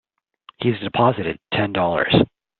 He's deposited Ten Dollars.